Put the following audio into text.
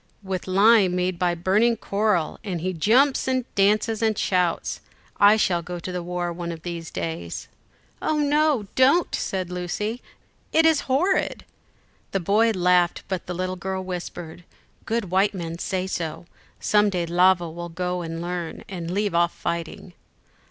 "With lime made by burning coral, and he jumps and dances and shouts: I shall go to the war one of these days." "Oh no, don't!" said Lucy, "it is horrid." The boy laughed, but the little girl whispered, "Good white men say so. Some day Lavo will go and learn, and leave off fighting."